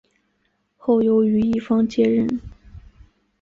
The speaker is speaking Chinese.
后由于一方接任。